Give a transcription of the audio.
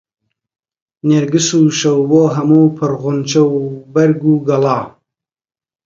نێرگس و شەوبۆ هەموو پڕ غونچە و بەرگ و گەڵا